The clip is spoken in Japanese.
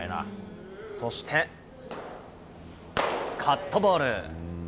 そして、カットボール。